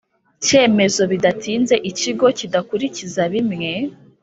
cyemezo bidatinze Ikigo kidakurikiza bimwe